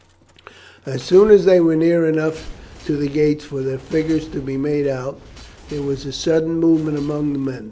As soon as they were near enough to the gates for their figures to be made out, there was a sudden movement among the men.